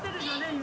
今。